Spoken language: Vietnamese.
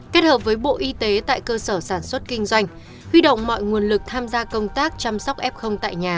kết hợp với bộ y tế tại cơ sở sản xuất kinh doanh huy động mọi nguồn lực tham gia công tác chăm sóc f tại nhà